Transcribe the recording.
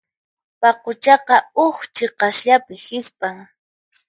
Paquchaqa huk chiqasllapi hisp'an.